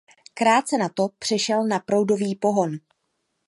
Krátce na to přešel na proudový pohon.